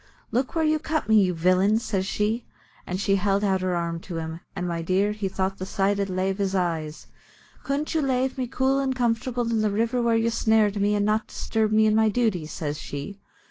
"Look where you cut me, you villain," says she, and she held out her arm to him and, my dear, he thought the sight id lave his eyes. "Couldn't you lave me cool and comfortable in the river where you snared me, and not disturb me in my duty?" says she.